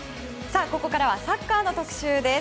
ここからはサッカーの特集です。